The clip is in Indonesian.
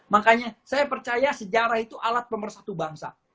makanya saya percaya sejarah itu alat pemersatu bangsa